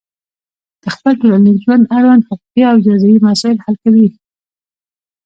د خپل ټولنیز ژوند اړوند حقوقي او جزایي مسایل حل کوي.